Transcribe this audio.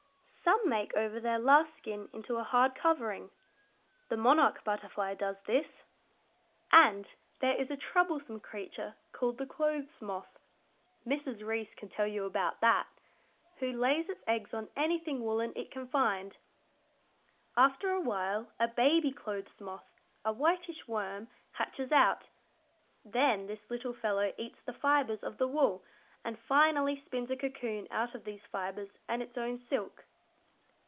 Some make over their last skin into a hard covering. The monarch butterfly does this. "And there is a troublesome creature called the clothes moth Mrs. Reece can tell you about that who lays its eggs on anything woollen it can find. After a while a baby clothes moth, a whitish worm, hatches out. Then this little fellow eats the fibres of the wool, and finally spins a cocoon out of these fibres and its own silk.